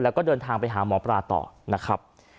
แล้วก็เดินทางไปหาหมอปลาต่อนะครับ